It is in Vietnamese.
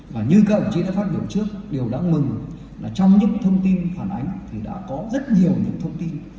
và như các ông chí đã phát biểu trước điều đáng mừng là trong những thông tin phản ánh thì đã có rất nhiều những thông tin